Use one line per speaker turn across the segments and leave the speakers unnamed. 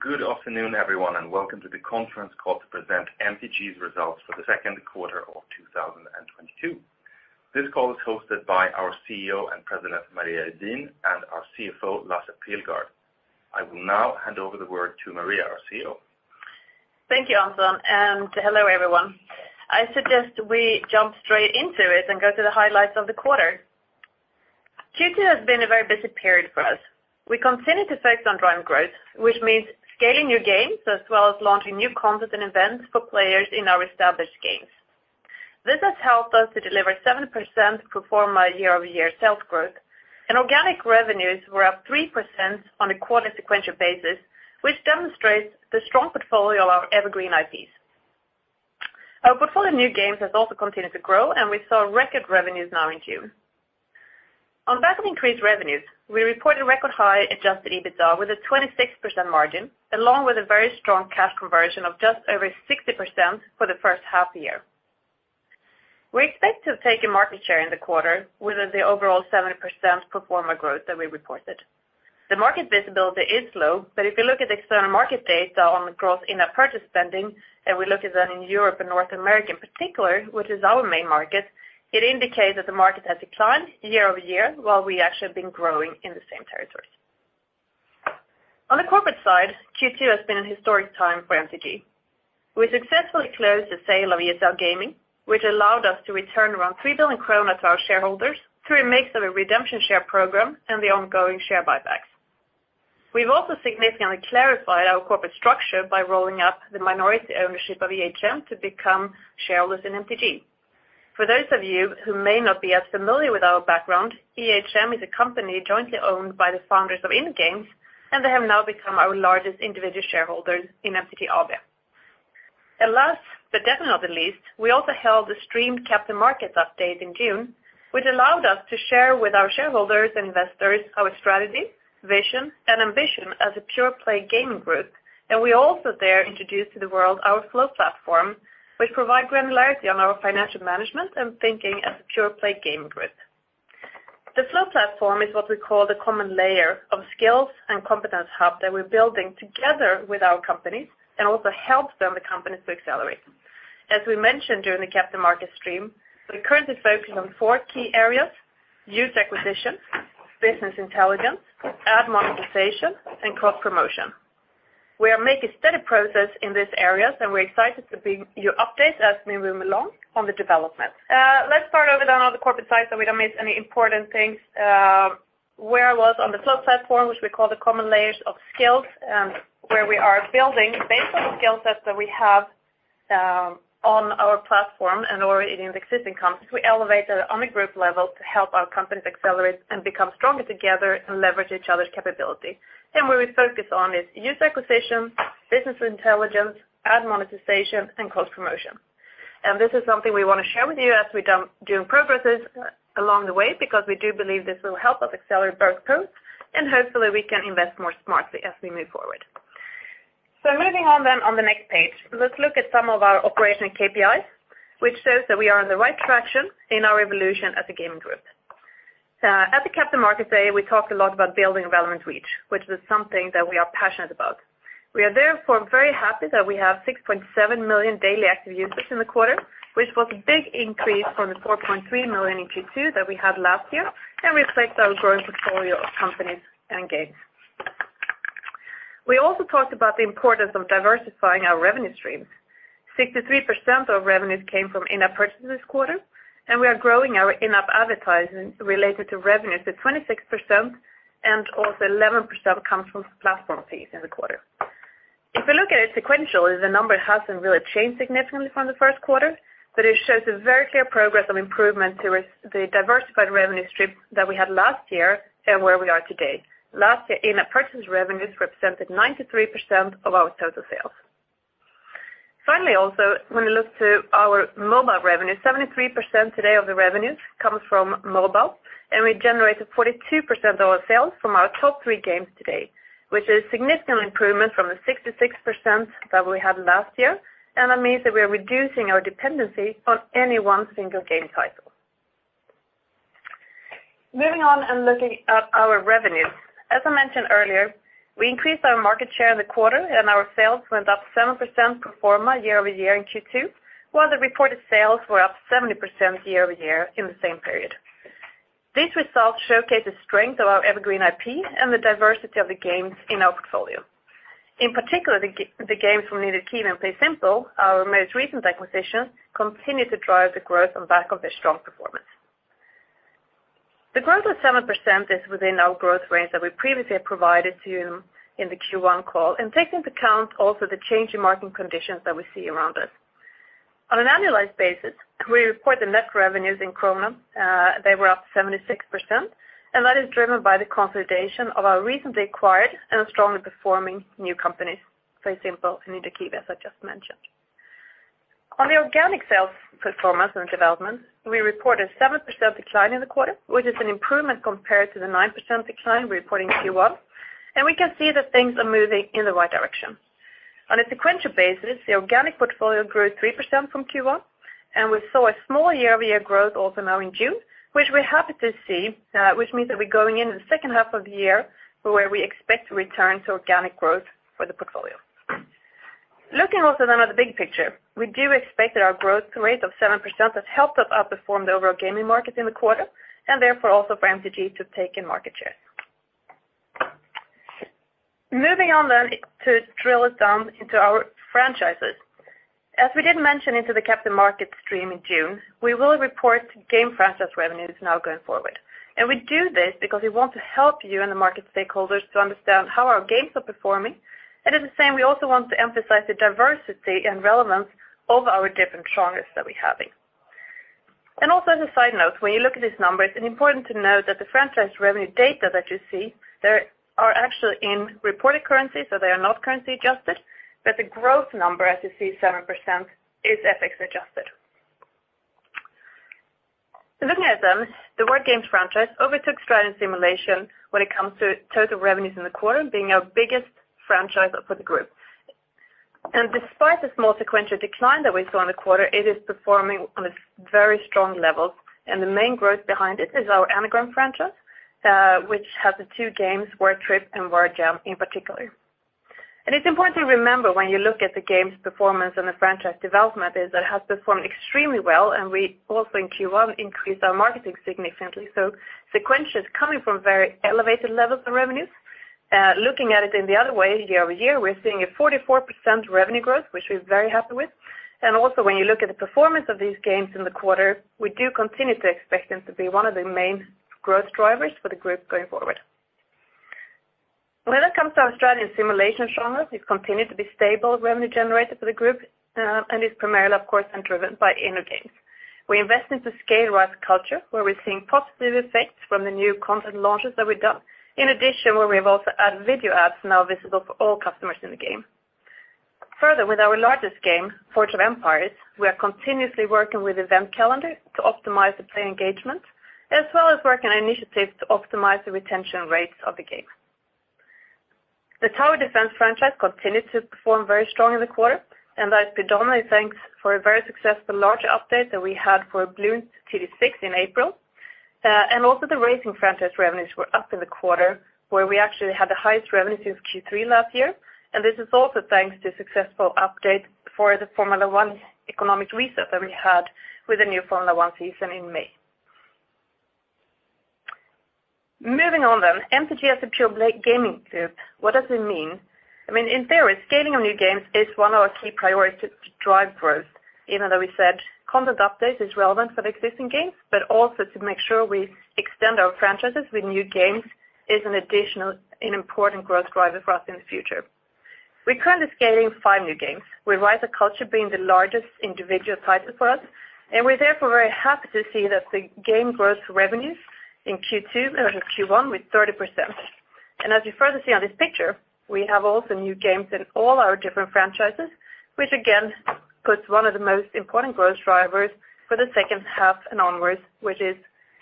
Good afternoon, everyone, and welcome to the conference call to present MTG's results for the second quarter of 2022. This call is hosted by our CEO and President, Maria Redin, and our CFO, Lasse Pilgaard. I will now hand over the word to Maria, our CEO.
Thank you, Anton, and hello, everyone. I suggest we jump straight into it and go to the highlights of the quarter. Q2 has been a very busy period for us. We continue to focus on driving growth, which means scaling new games as well as launching new content and events for players in our established games. This has helped us to deliver 7% pro forma year-over-year sales growth, and organic revenues were up 3% on a quarter sequential basis, which demonstrates the strong portfolio of our evergreen IPs. Our portfolio of new games has also continued to grow, and we saw record revenues now in June. On the back of increased revenues, we reported record high adjusted EBITDA with a 26% margin, along with a very strong cash conversion of just over 60% for the first half of the year. We expect to have taken market share in the quarter with the overall 7% pro forma growth that we reported. The market visibility is low, but if you look at the external market data on the growth in our purchase spending, and we look at that in Europe and North America in particular, which is our main market, it indicates that the market has declined year-over-year while we actually have been growing in the same territories. On the corporate side, Q2 has been an historic time for MTG. We successfully closed the sale of ESL Gaming, which allowed us to return around 3 billion kronor to our shareholders through a mix of a redemption share program and the ongoing share buybacks. We've also significantly clarified our corporate structure by rolling up the minority ownership of EHM to become shareholders in MTG. For those of you who may not be as familiar with our background, EHM is a company jointly owned by the founders of InnoGames, and they have now become our largest individual shareholders in MTG AB. Last but definitely not the least, we also held a streamed Capital Markets update in June, which allowed us to share with our shareholders and investors our strategy, vision, and ambition as a pure-play gaming group. We also there introduced to the world our Flow platform, which provide granularity on our financial management and thinking as a pure-play gaming group. The Flow platform is what we call the common layer of skills and competence hub that we're building together with our companies and also helps them, the companies, to accelerate. As we mentioned during the Capital Markets stream, we're currently focusing on four key areas, user acquisition, business intelligence, ad monetization, and cross-promotion. We are making steady progress in these areas, and we're excited to bring you updates as we move along on the development. Let's start over on the corporate side so we don't miss any important things. Where I was on the Flow platform, which we call the common layers of skills, and where we are building based on the skill sets that we have, on our platform and already in the existing companies, we elevate that on a group level to help our companies accelerate and become stronger together and leverage each other's capability. Where we focus on is user acquisition, business intelligence, ad monetization, and cross-promotion. This is something we want to share with you as doing progresses along the way because we do believe this will help us accelerate both growth, and hopefully we can invest more smartly as we move forward. Moving on then on the next page, let's look at some of our operational KPIs, which shows that we are on the right traction in our evolution as a gaming group. At the Capital Markets Day, we talked a lot about building relevant reach, which is something that we are passionate about. We are therefore very happy that we have 6.7 million daily active users in the quarter, which was a big increase from the 4.3 million in Q2 that we had last year and reflects our growing portfolio of companies and games. We also talked about the importance of diversifying our revenue streams. 63% of revenues came from in-app purchases this quarter, and we are growing our in-app advertising related to revenues to 26%, and also 11% comes from platform fees in the quarter. If we look at it sequentially, the number hasn't really changed significantly from the first quarter, but it shows a very clear progress of improvement to the diversified revenue stream that we had last year and where we are today. Last year, in-app purchase revenues represented 93% of our total sales. Finally, also, when we look to our mobile revenue, 73% today of the revenues comes from mobile, and we generated 42% of our sales from our top three games today, which is a significant improvement from the 66% that we had last year. That means that we are reducing our dependency on any one single game title. Moving on and looking at our revenues. As I mentioned earlier, we increased our market share in the quarter, and our sales went up 7% pro forma year-over-year in Q2, while the reported sales were up 70% year-over-year in the same period. These results showcase the strength of our evergreen IP and the diversity of the games in our portfolio. In particular, the games from Ninja Kiwi and PlaySimple, our most recent acquisitions, continue to drive the growth on the back of their strong performance. The growth of 7% is within our growth range that we previously provided to you in the Q1 call and takes into account also the changing market conditions that we see around us. On an annualized basis, we report the net revenues in krona. They were up 76%, and that is driven by the consolidation of our recently acquired and strongly performing new companies, PlaySimple and Ninja Kiwi, as I just mentioned. On the organic sales performance and development, we report a 7% decline in the quarter, which is an improvement compared to the 9% decline we reported in Q1, and we can see that things are moving in the right direction. On a sequential basis, the organic portfolio grew 3% from Q1, and we saw a small year-over-year growth also now in June, which we're happy to see, which means that we're going into the second half of the year where we expect to return to organic growth for the portfolio. Looking also then at the big picture, we do expect that our growth rate of 7% has helped us outperform the overall gaming market in the quarter, and therefore also for MTG to take in market share. Moving on then to drill down into our franchises. As we did mention in the capital markets stream in June, we will report game franchise revenues now going forward. We do this because we want to help you and the market stakeholders to understand how our games are performing. At the same time, we also want to emphasize the diversity and relevance of our different genres that we have in. Also as a side note, when you look at these numbers, it's important to note that the franchise revenue data that you see there are actually in reported currencies, so they are not currency adjusted. The growth number, as you see 7%, is FX adjusted. Looking at them, the Word Games franchise overtook strategy and simulation when it comes to total revenues in the quarter, being our biggest franchise for the group. Despite the small sequential decline that we saw in the quarter, it is performing on a very strong level. The main growth behind it is our anagram franchise, which has the two games, Word Trip and Word Jam in particular. It's important to remember when you look at the game's performance and the franchise development is that it has performed extremely well and we also in Q1 increased our marketing significantly. Sequentially, it's coming from very elevated levels of revenues. Looking at it in the other way, year-over-year, we're seeing a 44% revenue growth, which we're very happy with. Also when you look at the performance of these games in the quarter, we do continue to expect them to be one of the main growth drivers for the group going forward. When it comes to our strategy and simulation genres, it continued to be stable revenue generator for the group, and is primarily, of course, driven by InnoGames. We invest in to scale Rise of Cultures, where we're seeing positive effects from the new content launches that we've done. In addition, where we have also added video ads now visible for all customers in the game. Further, with our largest game, Forge of Empires, we are continuously working with event calendar to optimize the player engagement, as well as work on initiatives to optimize the retention rates of the game. The Tower Defense franchise continued to perform very strong in the quarter, and that's predominantly thanks to a very successful launch update that we had for Bloons TD 6 in April. The racing franchise revenues were up in the quarter, where we actually had the highest revenue since Q3 last year. This is also thanks to a successful update for the Formula 1 economic reset that we had with the new Formula 1 season in May. Moving on then. MTG as a pure play gaming group, what does it mean? I mean, in theory, scaling of new games is one of our key priorities to drive growth, even though we said content update is relevant for the existing games, but also to make sure we extend our franchises with new games is an additional and important growth driver for us in the future. We're currently scaling five new games, with Rise of Cultures being the largest individual title for us, and we're therefore very happy to see that the game grows revenues in Q1 with 30%. As you further see on this picture, we have also new games in all our different franchises, which again puts one of the most important growth drivers for the second half and onwards, which is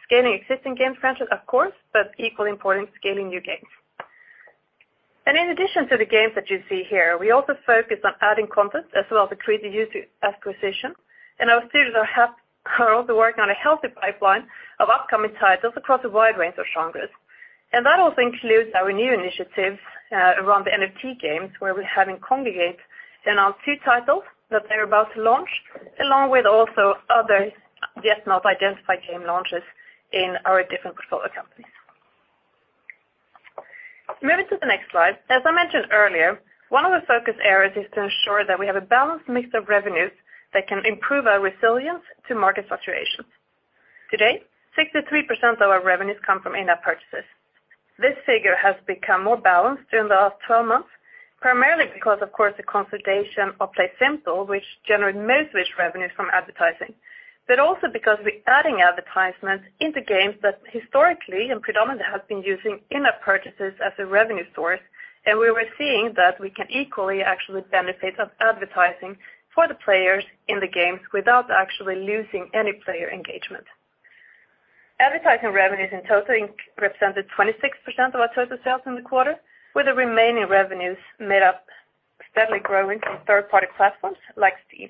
scaling existing game franchises, of course, but equally important, scaling new games. In addition to the games that you see here, we also focus on adding content as well to create the user acquisition. Our studios are also working on a healthy pipeline of upcoming titles across a wide range of genres. That also includes our new initiatives around the NFT games, where we're having Kongregate and our two titles that they're about to launch, along with also other yet not identified game launches in our different portfolio companies. Moving to the next slide. As I mentioned earlier, one of the focus areas is to ensure that we have a balanced mix of revenues that can improve our resilience to market fluctuations. Today, 63% of our revenues come from in-app purchases. This figure has become more balanced during the last twelve months, primarily because, of course, the consolidation of PlaySimple, which generate most of its revenues from advertising. Also because we're adding advertisements into games that historically and predominantly have been using in-app purchases as a revenue source, and we were seeing that we can equally actually benefit from advertising for the players in the games without actually losing any player engagement. Advertising revenues in total represented 26% of our total sales in the quarter, with the remaining revenues made up steadily growing from third-party platforms like Steam.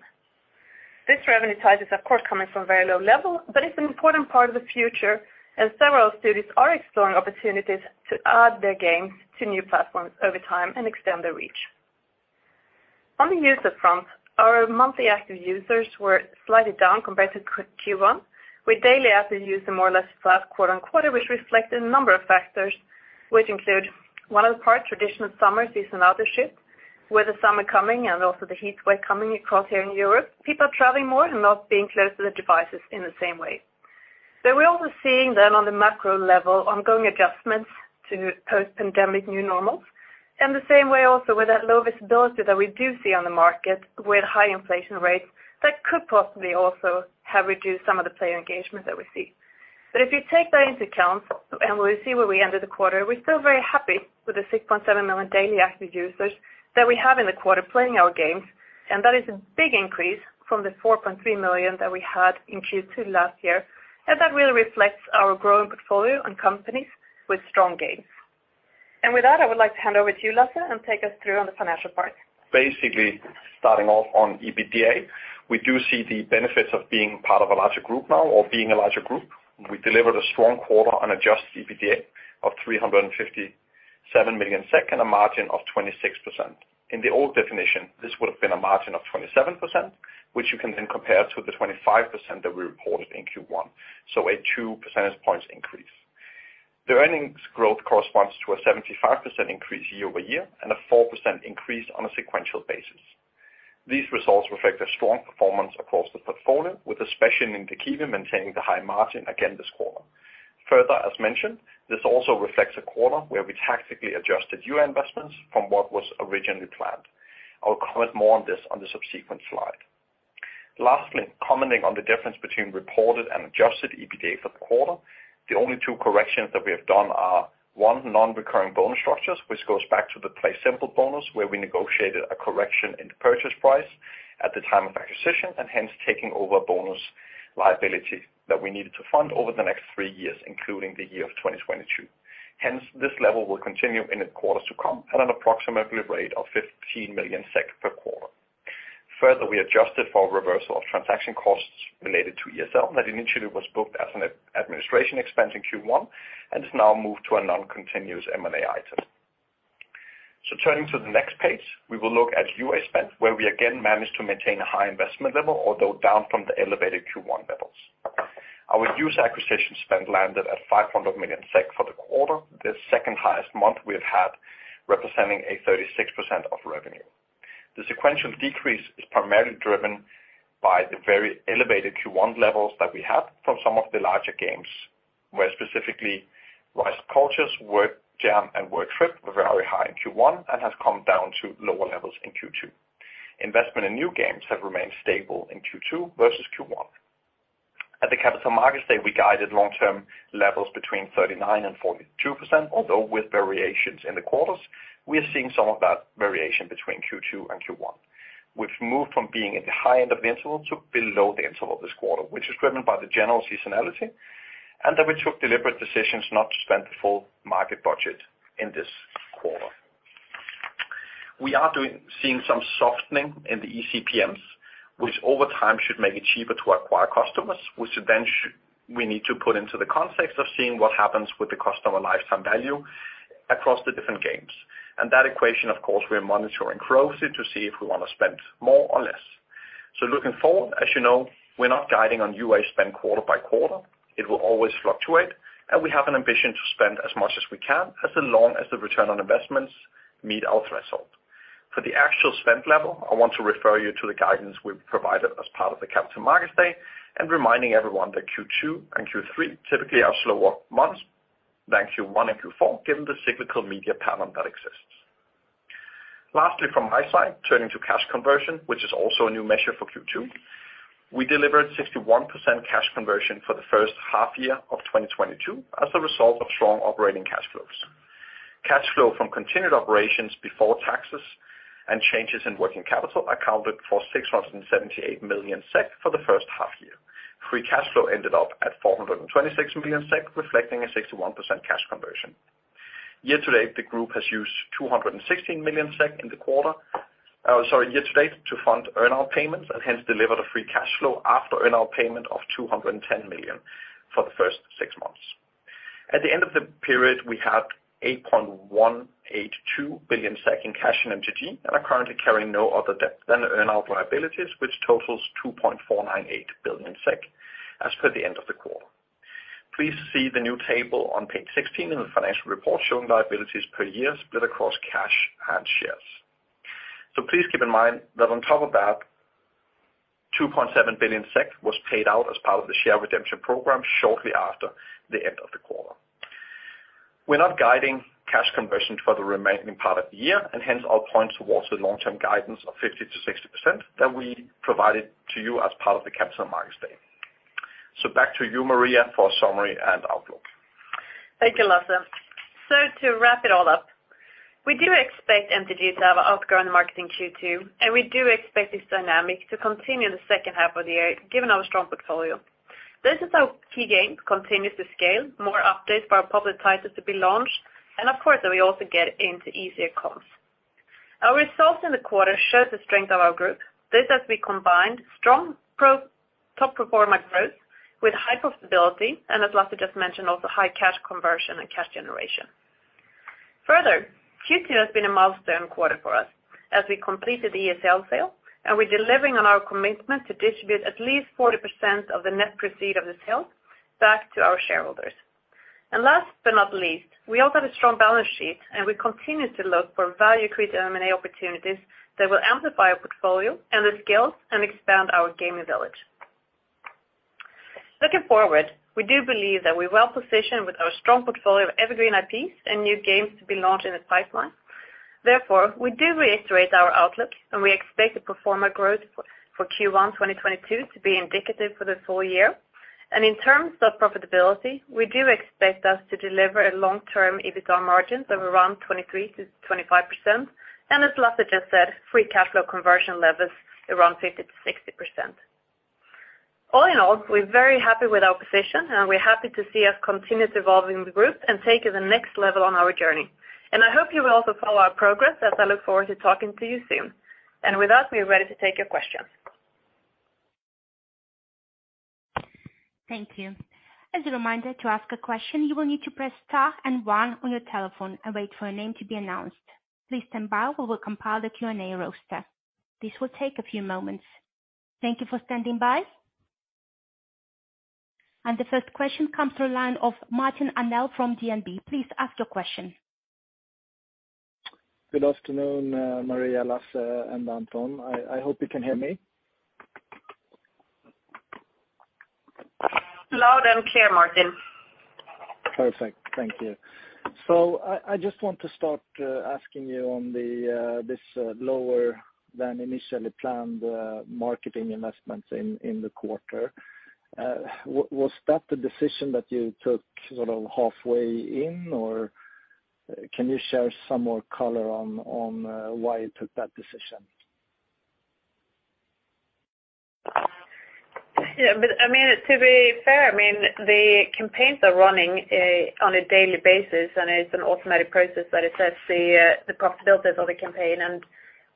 This revenue type is of course coming from a very low level, but it's an important part of the future, and several studios are exploring opportunities to add their games to new platforms over time and extend their reach. On the user front, our monthly active users were slightly down compared to Q1, with daily active users more or less flat quarter-over-quarter, which reflected a number of factors, which include in part the traditional summer seasonality, with the summer coming and also the heat wave coming across here in Europe. People are traveling more and not being close to their devices in the same way. We're also seeing then on the macro level, ongoing adjustments to post-pandemic new normals. In the same way also with that low visibility that we do see on the market with high inflation rates, that could possibly also have reduced some of the player engagement that we see. If you take that into account and we see where we ended the quarter, we're still very happy with the 6.7 million daily active users that we have in the quarter playing our games. That is a big increase from the 4.3 million that we had in Q2 last year. That really reflects our growing portfolio and companies with strong gains. With that, I would like to hand over to you, Lasse, and take us through on the financial part.
Basically, starting off on EBITDA, we do see the benefits of being part of a larger group now or being a larger group. We delivered a strong quarter on adjusted EBITDA of 357 million SEK and a margin of 26%. In the old definition, this would have been a margin of 27%, which you can then compare to the 25% that we reported in Q1. A 2 percentage points increase. The earnings growth corresponds to a 75% increase year-over-year and a 4% increase on a sequential basis. These results reflect a strong performance across the portfolio, with especially Ninja Kiwi maintaining the high margin again this quarter. Further, as mentioned, this also reflects a quarter where we tactically adjusted UA investments from what was originally planned. I will comment more on this on the subsequent slide. Lastly, commenting on the difference between reported and adjusted EBITDA for the quarter, the only two corrections that we have done are, one, non-recurring bonus structures, which goes back to the PlaySimple bonus, where we negotiated a correction in the purchase price at the time of acquisition, and hence taking over a bonus liability that we needed to fund over the next three years, including the year of 2022. Hence, this level will continue in the quarters to come at an approximate rate of 15 million SEK per quarter. Further, we adjusted for reversal of transaction costs related to ESL that initially was booked as an administration expense in Q1 and has now moved to a non-recurring M&A item. Turning to the next page, we will look at UA spend, where we again managed to maintain a high investment level, although down from the elevated Q1 levels. Our user acquisition spend landed at 500 million SEK for the quarter, the second highest month we have had, representing 36% of revenue. The sequential decrease is primarily driven by the very elevated Q1 levels that we have from some of the larger games, where specifically Rise of Cultures, Word Jam, and Word Trip were very high in Q1 and has come down to lower levels in Q2. Investment in new games have remained stable in Q2 versus Q1. At the Capital Markets Day, we guided long-term levels between 39% and 42%, although with variations in the quarters. We are seeing some of that variation between Q2 and Q1. We've moved from being at the high end of the interval to below the interval this quarter, which is driven by the general seasonality, and that we took deliberate decisions not to spend the full market budget in this quarter. We are seeing some softening in the eCPMs, which over time should make it cheaper to acquire customers, which then we need to put into the context of seeing what happens with the customer lifetime value across the different games. That equation, of course, we are monitoring closely to see if we want to spend more or less. Looking forward, as you know, we're not guiding on UA spend quarter-by-quarter. It will always fluctuate, and we have an ambition to spend as much as we can as long as the return on investments meet our threshold. For the actual spend level, I want to refer you to the guidance we provided as part of the Capital Markets Day, reminding everyone that Q2 and Q3 typically are slower months than Q1 and Q4, given the cyclical media pattern that exists. Lastly, from my side, turning to cash conversion, which is also a new measure for Q2. We delivered 61% cash conversion for the first half year of 2022 as a result of strong operating cash flows. Cash flow from continuing operations before taxes and changes in working capital accounted for 678 million SEK for the first half year. Free cash flow ended up at 426 million SEK, reflecting a 61% cash conversion. Year-to-date, the group has used 216 million SEK in the quarter. Year-to-date to fund earn-out payments and hence delivered a free cash flow after earn-out payment of 210 million for the first six months. At the end of the period, we had 8.182 billion SEK in cash in MTG and are currently carrying no other debt than earn-out liabilities, which totals 2.498 billion SEK as per the end of the quarter. Please see the new table on page 16 in the financial report showing liabilities per year split across cash and shares. Please keep in mind that on top of that, 2.7 billion SEK was paid out as part of the share redemption program shortly after the end of the quarter. We're not guiding cash conversions for the remaining part of the year, and hence I'll point towards the long-term guidance of 50%-60% that we provided to you as part of the Capital Markets Day. Back to you, Maria, for summary and outlook.
Thank you, Lasse. To wrap it all up, we do expect MTG to outgrow the market in Q2, and we do expect this dynamic to continue in the second half of the year, given our strong portfolio. This is how key games continues to scale, more updates for our public titles to be launched, and of course, that we also get into easier comps. Our results in the quarter showed the strength of our group. This, as we combined strong top performer growth with higher stability and as Lasse just mentioned, also high cash conversion and cash generation. Further, Q2 has been a milestone quarter for us as we completed ESL sale, and we're delivering on our commitment to distribute at least 40% of the net proceeds of the sale back to our shareholders. Last but not least, we also have a strong balance sheet, and we continue to look for value-creating M&A opportunities that will amplify our portfolio and the skills and expand our gaming village. Looking forward, we do believe that we're well-positioned with our strong portfolio of evergreen IPs and new games to be launched in the pipeline. Therefore, we do reiterate our outlook, and we expect the organic growth for Q1 2022 to be indicative for the full year. In terms of profitability, we do expect to deliver a long-term EBITDA margins of around 23%-25%. As Lasse just said, free cash flow conversion levels around 50%-60%. All in all, we're very happy with our position, and we're happy to see us continue to evolving the group and take it the next level on our journey. I hope you will also follow our progress as I look forward to talking to you soon. With that, we are ready to take your questions.
Thank you. As a reminder, to ask a question, you will need to press star and one on your telephone and wait for your name to be announced. Please stand by while we compile the Q&A roster. This will take a few moments. Thank you for standing by. The first question comes from the line of Martin Arnell from DNB. Please ask your question.
Good afternoon, Maria, Lasse, and Anton. I hope you can hear me.
Loud and clear, Martin.
Perfect. Thank you. I just want to start asking you on this lower than initially planned marketing investments in the quarter. Was that the decision that you took sort of halfway in, or can you share some more color on why you took that decision?
Yeah. But I mean, to be fair, I mean, the campaigns are running on a daily basis, and it's an automatic process that it sets the profitabilities of the campaign.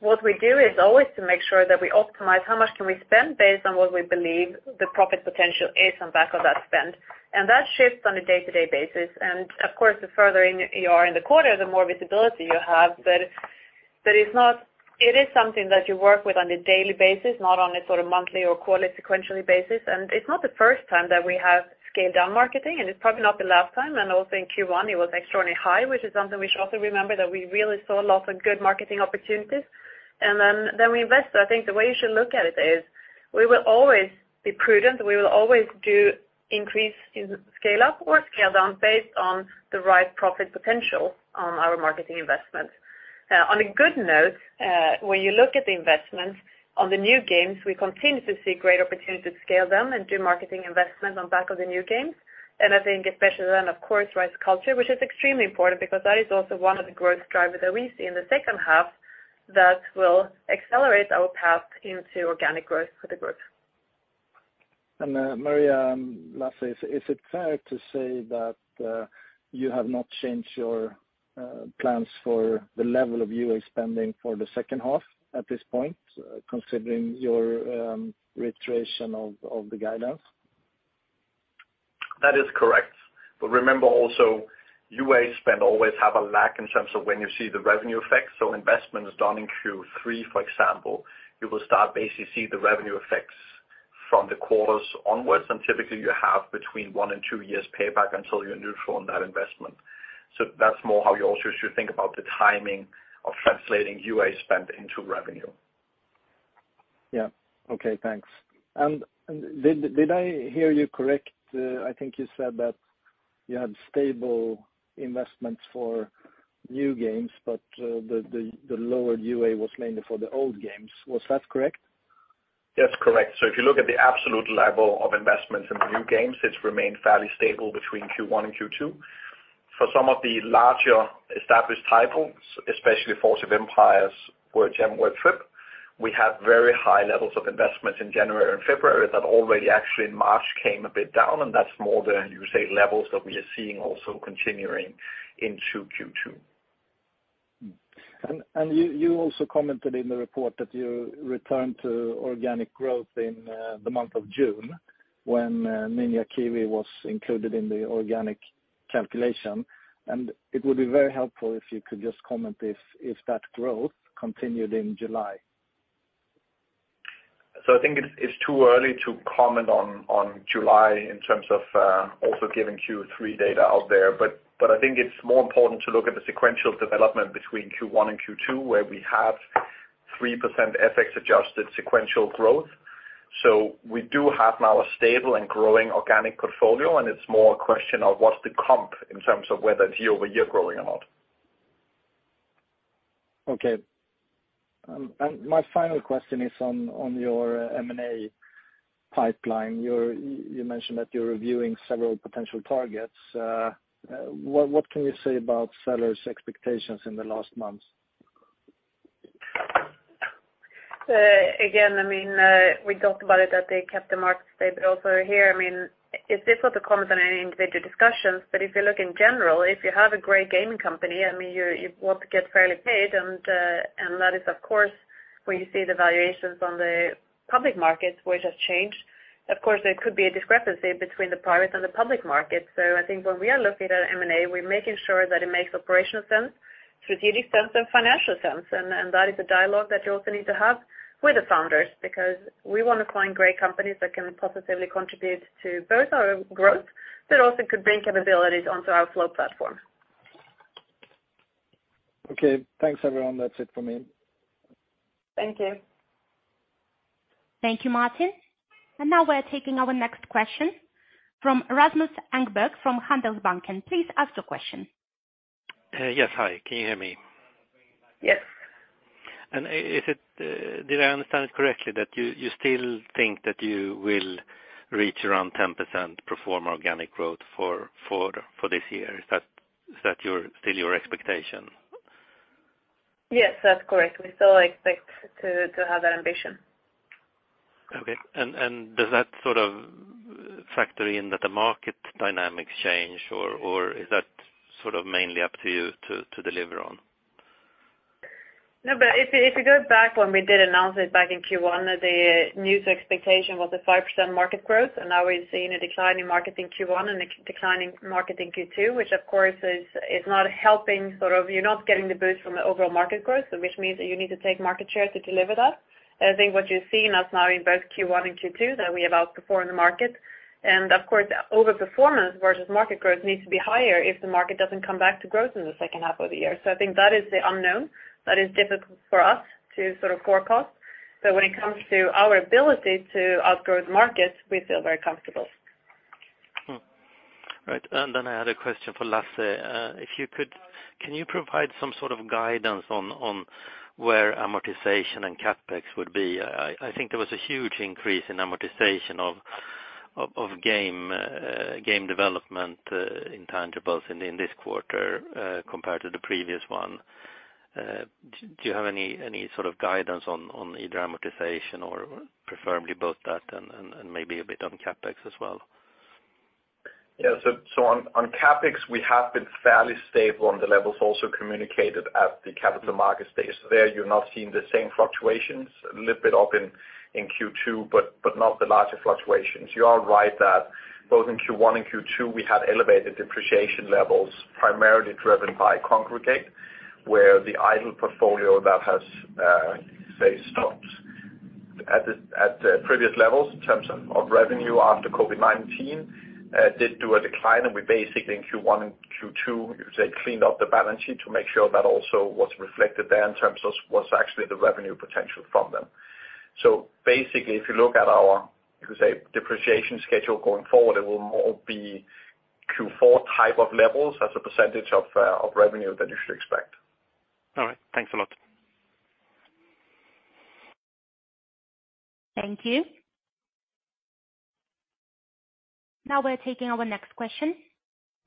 What we do is always to make sure that we optimize how much can we spend based on what we believe the profit potential is on back of that spend. That shifts on a day-to-day basis. Of course, the further in you are in the quarter, the more visibility you have. But it's not. It is something that you work with on a daily basis, not on a sort of monthly or quarterly sequential basis. It's not the first time that we have scaled down marketing, and it's probably not the last time. Also in Q1, it was extraordinarily high, which is something we should also remember that we really saw lots of good marketing opportunities. Then we invest. I think the way you should look at it is we will always be prudent. We will always do increase in scale-up or scale-down based on the right profit potential on our marketing investments. On a good note, when you look at the investments on the new games, we continue to see great opportunity to scale them and do marketing investment on back of the new games. I think especially then, of course, Rise of Cultures, which is extremely important because that is also one of the growth drivers that we see in the second half that will accelerate our path into organic growth for the group.
Maria and Lasse, is it fair to say that you have not changed your plans for the level of UA spending for the second half at this point, considering your reiteration of the guidance?
That is correct. Remember also, UA spend always have a lag in terms of when you see the revenue effects. Investment is done in Q3, for example. You will start basically see the revenue effects from the quarters onwards, and typically you have between one and two years payback until you're neutral on that investment. That's more how you also should think about the timing of translating UA spend into revenue.
Yeah. Okay, thanks. Did I hear you correct? I think you said that you had stable investments for new games, but the lower UA was mainly for the old games. Was that correct?
That's correct. If you look at the absolute level of investments in the new games, it's remained fairly stable between Q1 and Q2. For some of the larger established titles, especially Forge of Empires, Crossword Jam, Word Trip, we have very high levels of investments in January and February that already actually in March came a bit down, and that's more the, you say, levels that we are seeing also continuing into Q2.
You also commented in the report that you returned to organic growth in the month of June when Ninja Kiwi was included in the organic calculation. It would be very helpful if you could just comment if that growth continued in July?
I think it's too early to comment on July in terms of also giving Q3 data out there. But I think it's more important to look at the sequential development between Q1 and Q2, where we have 3% FX-adjusted sequential growth. We do have now a stable and growing organic portfolio, and it's more a question of what's the comp in terms of whether it's year-over-year growing or not.
Okay. My final question is on your M&A pipeline. You mentioned that you're reviewing several potential targets. What can you say about sellers' expectations in the last months?
Again, I mean, we talked about it at the Capital Markets Day, but also here. I mean, it's difficult to comment on any individual discussions. If you look in general, if you have a great gaming company, I mean, you want to get fairly paid. That is of course, when you see the valuations on the public markets, which has changed. Of course, there could be a discrepancy between the private and the public market. I think when we are looking at M&A, we're making sure that it makes operational sense, strategic sense, and financial sense. That is a dialogue that you also need to have with the founders because we wanna find great companies that can positively contribute to both our growth, but also could bring capabilities onto our Flow platform.
Okay. Thanks, everyone. That's it for me.
Thank you.
Thank you, Martin. Now we're taking our next question from Rasmus Engberg from Handelsbanken. Please ask your question.
Yes. Hi, can you hear me?
Yes.
Did I understand it correctly that you still think that you will reach around 10% pro forma organic growth for this year? Is that still your expectation?
Yes, that's correct. We still expect to have that ambition.
Okay. Does that sort of factor in that the market dynamics change or is that sort of mainly up to you to deliver on?
No, but if you go back when we did announce it back in Q1, the news expectation was a 5% market growth. Now we've seen a decline in market in Q1 and declining market in Q2, which of course is not helping sort of you're not getting the boost from the overall market growth, which means that you need to take market share to deliver that. I think what you're seeing us now in both Q1 and Q2, that we outperform the market. Of course, overperformance versus market growth needs to be higher if the market doesn't come back to growth in the second half of the year. I think that is the unknown that is difficult for us to sort of forecast. When it comes to our ability to outgrow the markets, we feel very comfortable.
All right. I had a question for Lasse. If you could, can you provide some sort of guidance on where amortization and CapEx would be? I think there was a huge increase in amortization of game development intangibles in this quarter compared to the previous one. Do you have any sort of guidance on either amortization or preferably both that and maybe a bit on CapEx as well?
On CapEx, we have been fairly stable on the levels also communicated at the Capital Markets Day. There you're not seeing the same fluctuations, a little bit up in Q2, but not the larger fluctuations. You are right that both in Q1 and Q2 we had elevated depreciation levels, primarily driven by Kongregate, where the idle portfolio that has stopped at the previous levels in terms of revenue after COVID-19 did do a decline. We basically in Q1 and Q2, you could say, cleaned up the balance sheet to make sure that also was reflected there in terms of what's actually the revenue potential from them. Basically, if you look at our, you could say, depreciation schedule going forward, it will more be Q4 type of levels as a percentage of revenue that you should expect.
All right. Thanks a lot.
Thank you. Now we're taking our next question.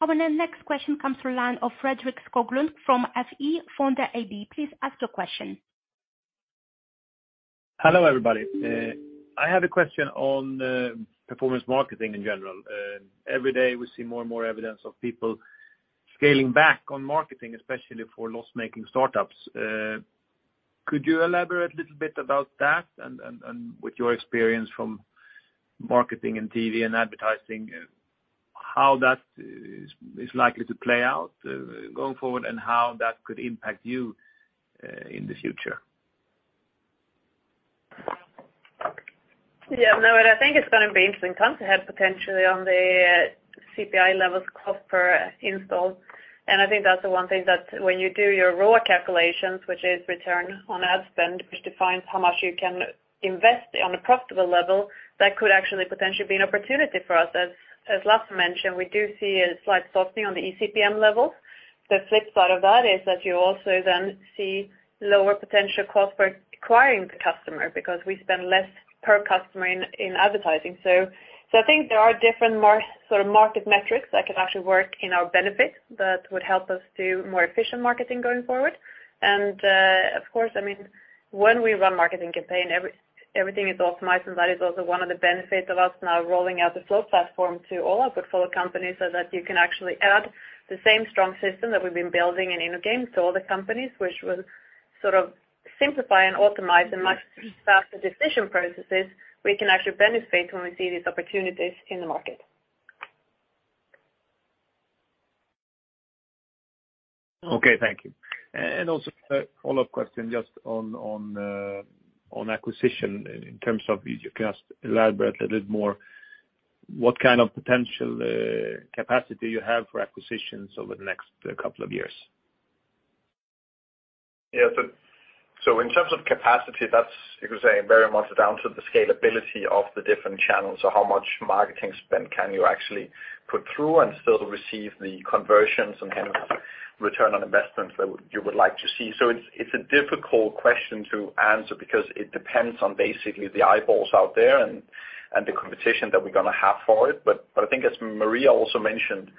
Our next question comes from the line of Fredrik Skoglund from FE Fonder AB. Please ask your question.
Hello, everybody. I have a question on performance marketing in general. Every day we see more and more evidence of people scaling back on marketing, especially for loss-making startups. Could you elaborate a little bit about that and with your experience from marketing and TV and advertising, how that is likely to play out going forward and how that could impact you in the future?
Yeah. No, I think it's gonna be interesting times ahead, potentially on the CPI levels, cost per install. I think that's the one thing that when you do your ROAS calculations, which is return on ad spend, which defines how much you can invest on a profitable level, that could actually potentially be an opportunity for us. As Lasse mentioned, we do see a slight softening on the eCPM level. The flip side of that is that you also then see lower potential cost for acquiring the customer because we spend less per customer in advertising. I think there are different sort of market metrics that can actually work in our benefit that would help us do more efficient marketing going forward. Of course, I mean, when we run marketing campaign, everything is optimized, and that is also one of the benefits of us now rolling out the Flow platform to all our portfolio companies, so that you can actually add the same strong system that we've been building in InnoGames to all the companies, which will sort of simplify and optimize the much faster decision processes. We can actually benefit when we see these opportunities in the market.
Okay. Thank you. Also a follow-up question just on acquisition in terms of if you can elaborate a little more what kind of potential capacity you have for acquisitions over the next couple of years?
Yeah. In terms of capacity, that's you could say very much down to the scalability of the different channels or how much marketing spend can you actually put through and still receive the conversions and kind of return on investments that you would like to see. It's a difficult question to answer because it depends on basically the eyeballs out there and the competition that we're gonna have for it. I think as Maria also mentioned,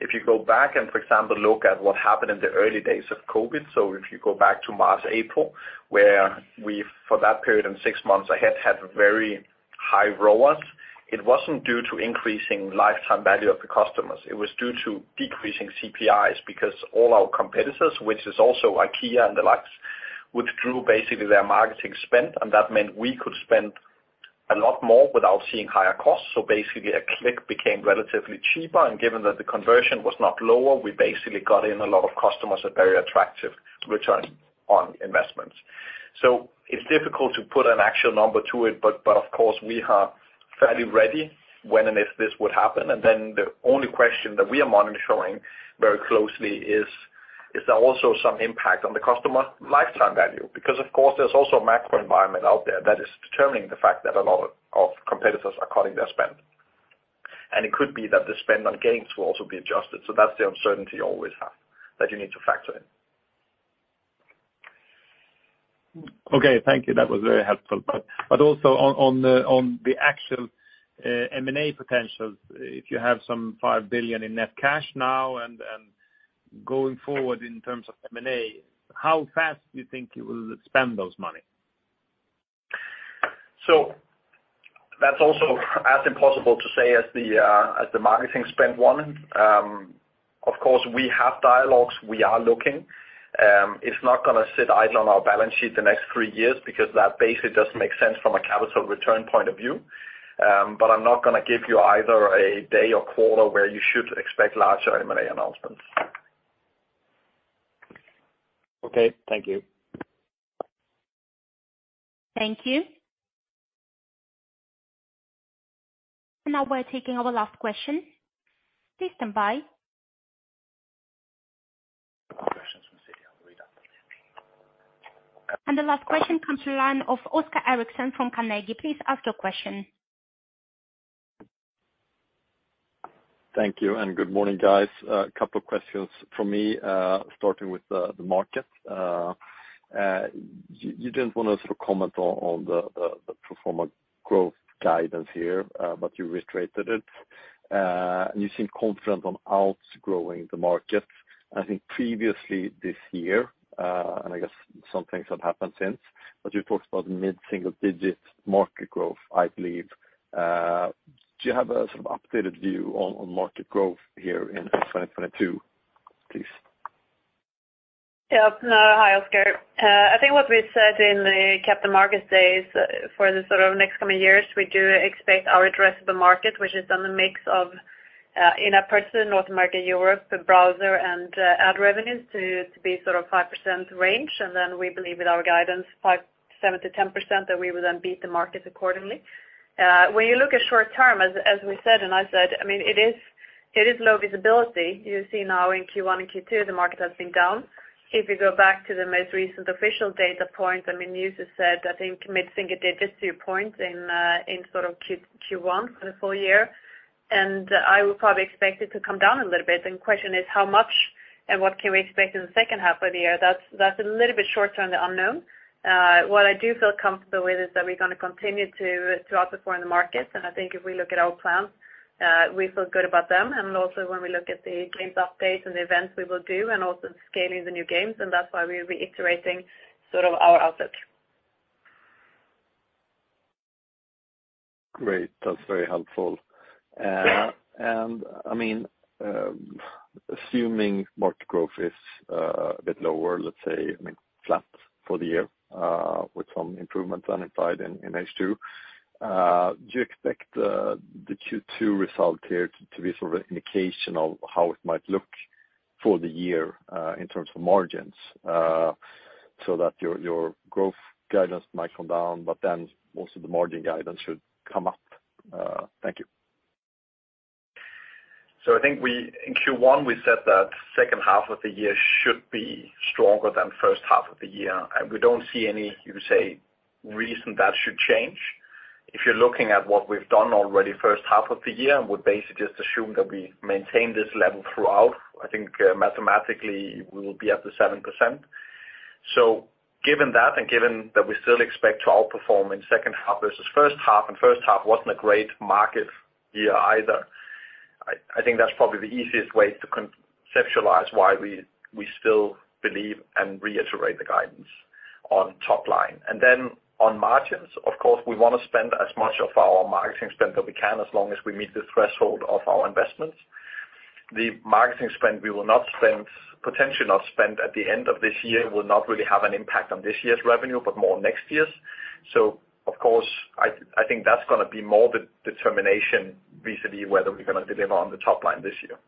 if you go back and, for example, look at what happened in the early days of COVID. If you go back to March, April, where we for that period in six months ahead had very high ROAS, it wasn't due to increasing lifetime value of the customers, it was due to decreasing CPIs because all our competitors, which is also IKEA and the likes, withdrew basically their marketing spend, and that meant we could spend a lot more without seeing higher costs. Basically a click became relatively cheaper, and given that the conversion was not lower, we basically got in a lot of customers at very attractive return on investments. It's difficult to put an actual number to it, but of course we are fairly ready when and if this would happen. The only question that we are monitoring very closely is there also some impact on the customer lifetime value? Because of course there's also a macro environment out there that is determining the fact that a lot of competitors are cutting their spend. It could be that the spend on games will also be adjusted. That's the uncertainty you always have that you need to factor in.
Okay, thank you. That was very helpful. Also on the actual M&A potential, if you have some 5 billion in net cash now and going forward in terms of M&A, how fast do you think you will spend those money?
That's also as impossible to say as the marketing spend one. Of course, we have dialogues. We are looking. It's not gonna sit idle on our balance sheet the next three years because that basically doesn't make sense from a capital return point of view. I'm not gonna give you either a day or quarter where you should expect large M&A announcements.
Okay, thank you.
Thank you. Now we're taking our last question. Please stand by. The last question comes from the line of Oscar Erixon from Carnegie. Please ask your question.
Thank you and good morning, guys. A couple of questions from me, starting with the market. You didn't wanna sort of comment on the pro forma growth guidance here, but you reiterated it. You seem confident on outgrowing the market. I think previously this year, and I guess some things have happened since, but you've talked about mid-single digit market growth, I believe. Do you have a sort of updated view on market growth here in 2022, please?
Hi, Oscar. I think what we said in the Capital Markets Day is for the sort of next coming years, we do expect our addressable market, which is on a mix of in-person North American and Europe, the browser, and ad revenues to be sort of 5% range. Then we believe in our guidance, 5%/7%-10%, that we will then beat the market accordingly. When you look at short-term, as we said, I said, I mean, it is low visibility. You see now in Q1 and Q2, the market has been down. If you go back to the most recent official data point, I mean, ad usage, I think mid-single digits to your point in sort of Q1 for the full year. I would probably expect it to come down a little bit. The question is how much and what can we expect in the second half of the year? That's a little bit short term, the unknown. What I do feel comfortable with is that we're gonna continue to outperform the market. I think if we look at our plans, we feel good about them. Also when we look at the games updates and the events we will do and also scaling the new games, and that's why we're reiterating sort of our outlook.
Great. That's very helpful. I mean, assuming market growth is a bit lower, let's say, I mean, flat for the year, with some improvements implied in H2, do you expect the Q2 result here to be sort of an indication of how it might look for the year in terms of margins? Your growth guidance might come down, but then most of the margin guidance should come up. Thank you.
I think we in Q1 we said that second half of the year should be stronger than first half of the year. We don't see any, you see, reason that should change. If you're looking at what we've done already first half of the year, and we basically just assume that we maintain this level throughout, I think mathematically we will be up to 7%. Given that, and given that we still expect to outperform in second half versus first half, and first half wasn't a great market year either, I think that's probably the easiest way to conceptualize why we still believe and reiterate the guidance on top line. Then on margins, of course, we wanna spend as much of our marketing spend that we can, as long as we meet the threshold of our investments. The marketing spend we will not spend, potentially not spend at the end of this year will not really have an impact on this year's revenue, but more next year's. Of course, I think that's gonna be more the determination vis-à-vis whether we're gonna deliver on the top line this year.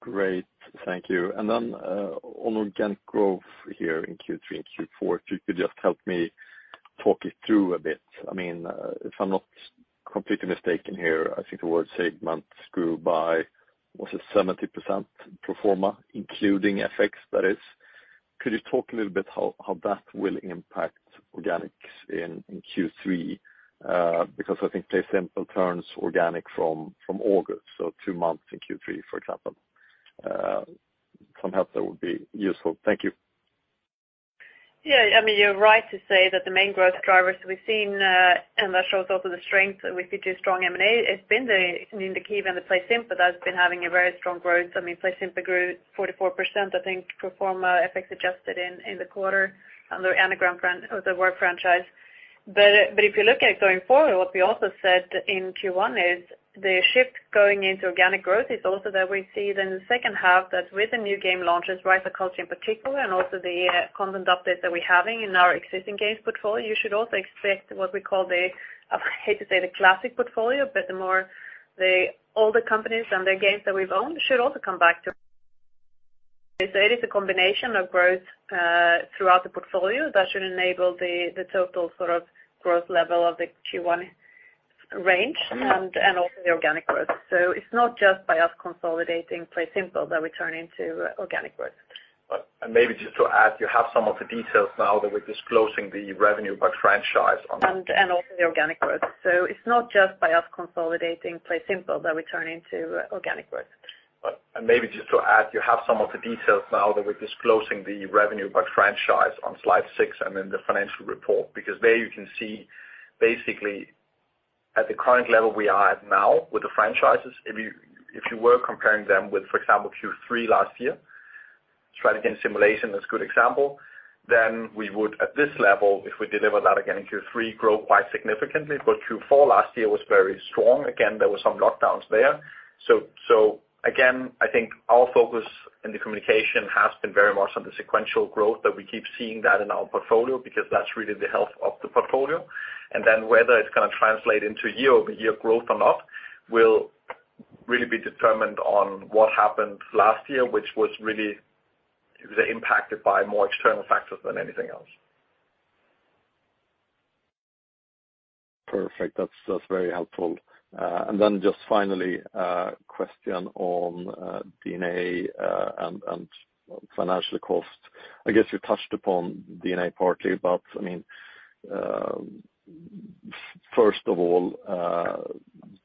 Great. Thank you. Then, on organic growth here in Q3 and Q4, if you could just help me talk it through a bit. I mean, if I'm not completely mistaken here, I think the word segment grew by, was it 70% pro forma, including FX, that is. Could you talk a little bit how that will impact organics in Q3? Because I think PlaySimple turns organic from August, so two months in Q3, for example. Some help there would be useful. Thank you.
Yeah. I mean, you're right to say that the main growth drivers we've seen and that shows also the strength that we could do strong M&A. It's been the, I mean, the key event at PlaySimple that's been having a very strong growth. I mean, PlaySimple grew 44%, I think, pro forma FX adjusted in the quarter under Anagram brand or the Word franchise. If you look at it going forward, what we also said in Q1 is the shift going into organic growth is also that we see then the second half that with the new game launches, Rise of Cultures in particular, and also the content updates that we're having in our existing games portfolio, you should also expect what we call the, I hate to say the classic portfolio, but the more the older companies and their games that we've owned should also come back to. It is a combination of growth throughout the portfolio that should enable the total sort of growth level of the Q1 range and also the organic growth. It's not just by us consolidating PlaySimple that we turn into organic growth.
Maybe just to add, you have some of the details now that we're disclosing the revenue by franchise on-
And also the organic growth. It's not just by us consolidating PlaySimple that we turn into organic growth.
You have some of the details now that we're disclosing the revenue by franchise on slide six and in the financial report, because there you can see basically at the current level we are at now with the franchises. If you were comparing them with, for example, Q3 last year, Strategy and Simulation is a good example, then we would at this level, if we deliver that again in Q3, grow quite significantly. Q4 last year was very strong. Again, there were some lockdowns there. So again, I think our focus in the communication has been very much on the sequential growth that we keep seeing that in our portfolio because that's really the health of the portfolio. Whether it's gonna translate into year-over-year growth or not will really be determined on what happened last year, which was really impacted by more external factors than anything else.
Perfect. That's very helpful. And then just finally, question on D&A and financial cost. I guess you touched upon D&A partly, but I mean, first of all,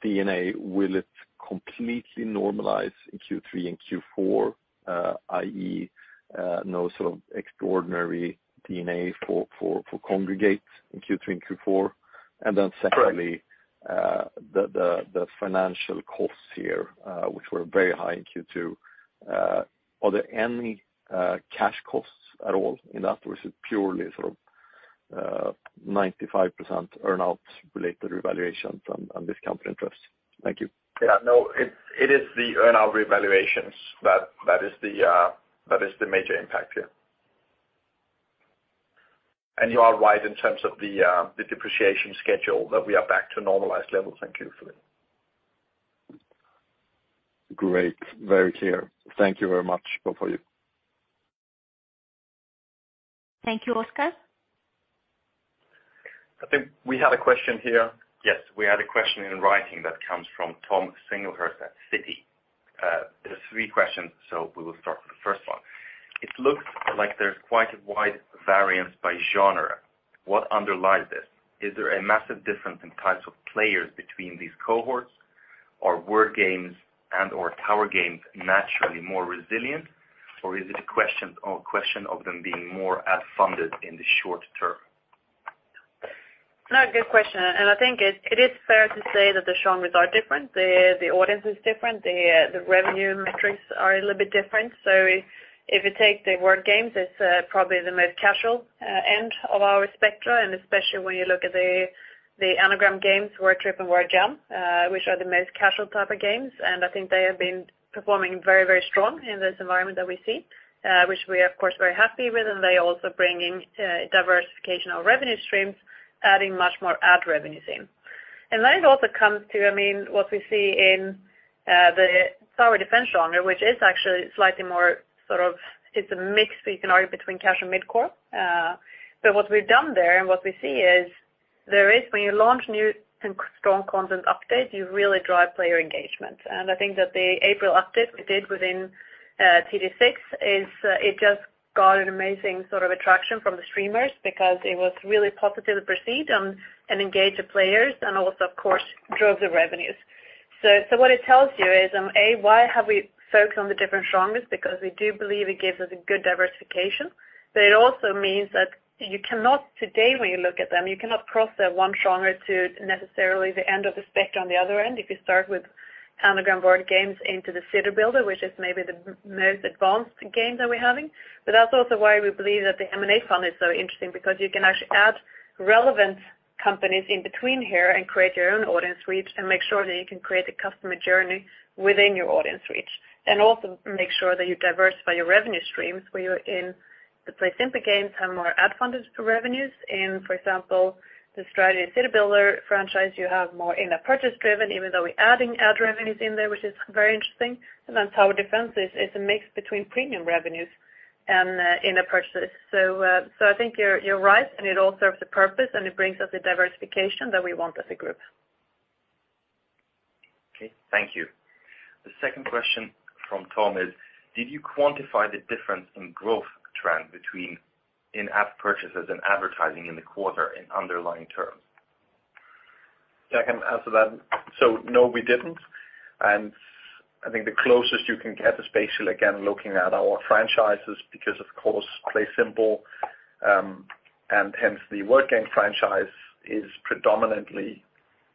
D&A, will it completely normalize in Q3 and Q4, i.e., no sort of extraordinary D&A for Kongregate in Q3 and Q4? And then secondly- The financial costs here, which were very high in Q2, are there any cash costs at all in that, or is it purely sort of 95% earn-out related revaluations and discount interest? Thank you.
Yeah, no, it is the earn-out revaluations that is the major impact here. You are right in terms of the depreciation schedule that we are back to normalized levels in Q4.
Great. Very clear. Thank you very much. Over to you.
Thank you, Oscar.
I think we had a question here. Yes, we had a question in writing that comes from Thomas Singlehurst at Citi. There are three questions, so we will start with the first one. It looks like there's quite a wide variance by genre. What underlies this? Is there a massive difference in types of players between these cohorts or word games and/or tower games naturally more resilient, or is it a question of them being more ad funded in the short term?
No, good question. I think it is fair to say that the genres are different. The audience is different. The revenue metrics are a little bit different. If you take the Word Games, it's probably the most casual end of our spectra, and especially when you look at the anagram games, Word Trip and Word Jam, which are the most casual type of games, and I think they have been performing very, very strong in this environment that we see, which we are of course very happy with, and they're also bringing diversification of revenue streams, adding much more ad revenues in. Then it also comes to, I mean, what we see in the tower defense genre, which is actually slightly more sort of it's a mix, we can argue, between casual and mid-core. What we've done there and what we see is there is when you launch new and strong content updates, you really drive player engagement. I think that the April update we did within TD 6 is it just got an amazing sort of attraction from the streamers because it was really positively perceived and engaged the players and also, of course, drove the revenues. What it tells you is A, why have we focused on the different genres, because we do believe it gives us a good diversification. It also means that you cannot today, when you look at them, you cannot cross one genre to necessarily the end of the spectrum on the other end. If you start with anagram board games into the city builder, which is maybe the most advanced game that we're having. That's also why we believe that the M&A fund is so interesting because you can actually add relevant companies in between here and create your own audience reach and make sure that you can create a customer journey within your audience reach. Also make sure that you diversify your revenue streams where you're in the PlaySimple games have more ad funded revenues. In, for example, the Strategy City Builder franchise, you have more in-app purchase driven, even though we're adding ad revenues in there, which is very interesting. Then Tower Defense is a mix between premium revenues and in-app purchases. I think you're right, and it all serves a purpose, and it brings us a diversification that we want as a group.
Okay. Thank you. The second question from Tom is, did you quantify the difference in growth trend between in-app purchases and advertising in the quarter in underlying terms?
Yeah, I can answer that. No, we didn't. I think the closest you can get is basically again, looking at our franchises because of course, PlaySimple, and hence the word game franchise is predominantly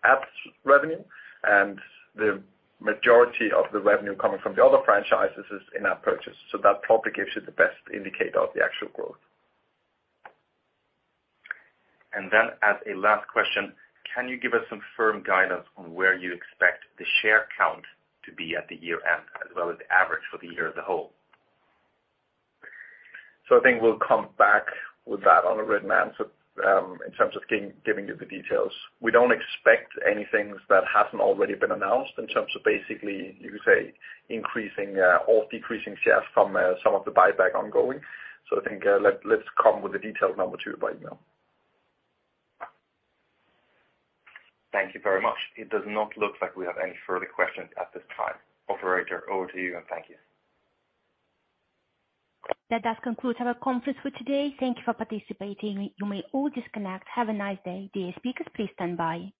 ad revenue, and the majority of the revenue coming from the other franchises is in-app purchase. That probably gives you the best indicator of the actual growth. As a last question, can you give us some firm guidance on where you expect the share count to be at the year-end as well as the average for the year as a whole? I think we'll come back with that on a written answer, in terms of giving you the details. We don't expect anything that hasn't already been announced in terms of basically, you could say, increasing or decreasing shares from some of the buyback ongoing. I think, let's come with the detailed number to you by email. Thank you very much. It does not look like we have any further questions at this time. Operator, over to you, and thank you.
That does conclude our conference for today. Thank you for participating. You may all disconnect. Have a nice day. Dear speakers, please stand by.